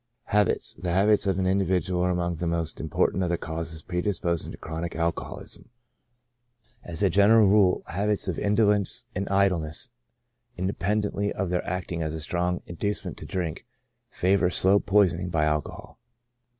Habits. — The habits of an individual are among the most important of the causes predisposing to chronic alco 52 CHRONIC ALCOHOLISM. holism. As a general rule, habits of indolence and idle ness, independently of their acting as a strong inducement to drink, favor slow poisoning by alcohol.